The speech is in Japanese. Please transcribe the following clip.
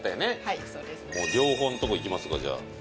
両方のとこいきますかじゃあ。